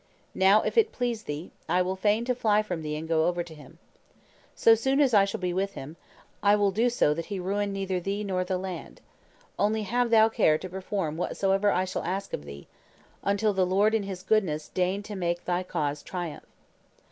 Now, if it please thee, I will feign to fly from thee and go over to him. So soon as I shall be with him, I will so do that he ruin neither thee nor the land. Only have thou care to perform whatsoever I shall ask of thee, until the Lord in His goodness deign to make thy cause triumph."